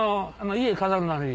家飾るなり。